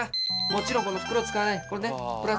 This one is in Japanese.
もちろんこの袋使わないこれね。